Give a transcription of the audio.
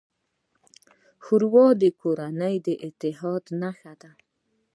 ښوروا د کورني اتحاد نښه ده.